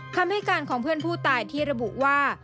คำให้การของเพื่อนผู้ตายที่ระบุว่า